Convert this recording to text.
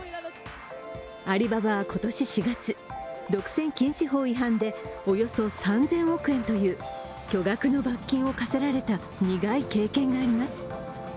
アリババは今年４月、独占禁止法違反でおよそ３０００億円という巨額の罰金を科せられた苦い経験があります。